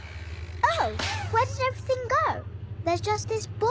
あっ！